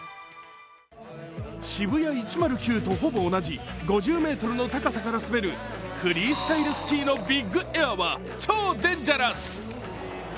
ＳＨＩＢＵＹＡ１０９とほぼ同じ、５０ｍの高さから滑るフリースタイルスキーのビッグエアは超デンジャラス。